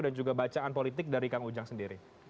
dan juga bacaan politik dari kang ujang sendiri